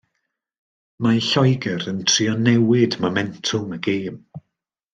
Mae Lloegr yn trio newid momentwm y gêm.